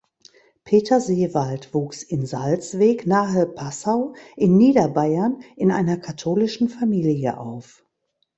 Peter Seewald wuchs in Salzweg nahe Passau in Niederbayern in einer katholischen Familie auf.